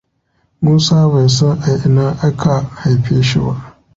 Musa bai san a ina aka haife shi ba.